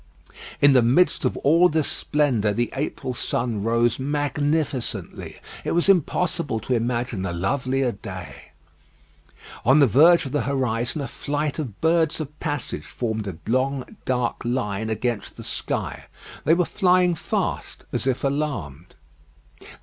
In the midst of all this splendour, the April sun rose magnificently. It was impossible to imagine a lovelier day. On the verge of the horizon a flight of birds of passage formed a long dark line against the sky. They were flying fast as if alarmed.